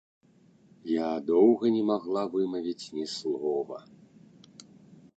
Я доўга не магла вымавіць ні слова.